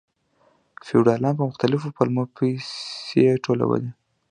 فیوډالانو په مختلفو پلمو پیسې ټولولې.